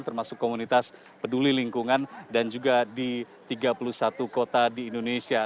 termasuk komunitas peduli lingkungan dan juga di tiga puluh satu kota di indonesia